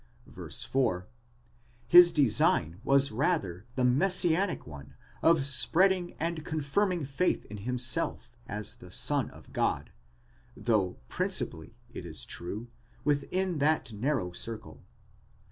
4), his design was rather the messianic one of spreading and confirming faith in himself as the Son of God, though principally, it is true, within that narrow circle.